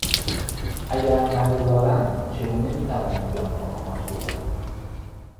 اگر نگذارند چگونه میتواند به آنها کمک بکند؟